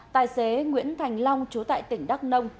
tài xế nguyễn thành long chú tại tỉnh đắk nông